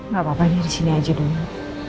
gak apa apanya di sini aja dulu